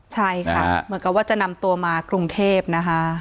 ใช่ค่ะเหมือนกับว่าจะนำตัวมากรุงเทพนะคะ